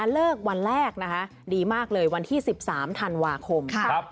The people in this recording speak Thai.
เลิกวันแรกนะคะดีมากเลยวันที่๑๓ธันวาคม